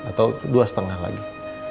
atau dua lima lagi